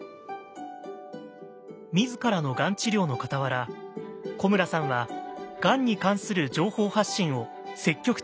自らのがん治療のかたわら古村さんはがんに関する情報発信を積極的に続けてきました。